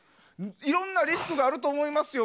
いろんなリスクがあると思いますよ。